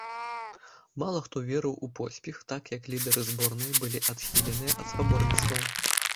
Мала хто верыў у поспех, так як лідары зборнай былі адхіленыя ад спаборніцтваў.